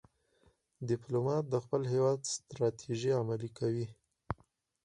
ډيپلومات د خپل هېواد ستراتیژۍ عملي کوي.